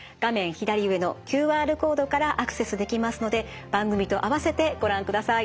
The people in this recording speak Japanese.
左上のＱＲコードからアクセスできますので番組と併せてご覧ください。